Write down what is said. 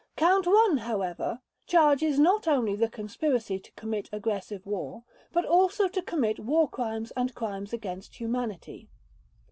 Count One, however, charges not only the conspiracy to commit aggressive war, but also to commit War Crimes and Crimes against Humanity.